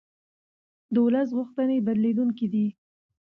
د ولس غوښتنې بدلېدونکې دي